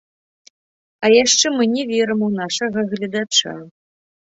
А яшчэ мы не верым у нашага гледача.